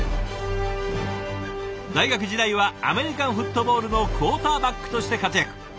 大学時代はアメリカンフットボールのクオーターバックとして活躍。